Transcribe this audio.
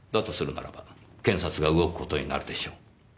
とするならば検察が動く事になるでしょう。